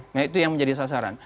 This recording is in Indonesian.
nah itu yang menjadi sasaran